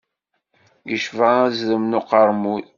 Yecba azrem n uqermud.